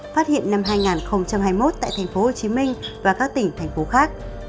phát hiện năm hai nghìn hai mươi một tại tp hcm và các tỉnh thành phố khác